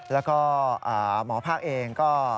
แล้วก็หมอภาคเองก็